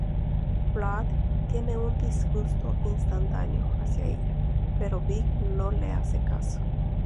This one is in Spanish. Blood tiene un disgusto instantáneo hacia ella, pero Vic no le hace caso.